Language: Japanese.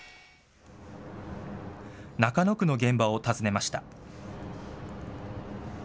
中野区の現場を訪ねました。